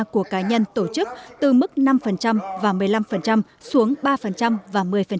của cá nhân tổ chức từ mức năm và một mươi năm xuống ba và một mươi